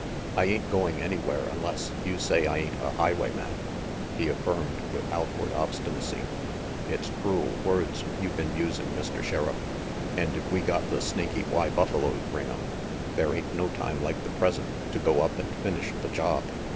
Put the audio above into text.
"I ain't going anywhere unless you say I ain't a highwayman," he affirmed with outward obstinacy. "It's cruel words you been using, Mr. Sheriff; and if we got the Snaky Y buffaloed, Ring'em, there ain't no time like the present to go up and finish the job.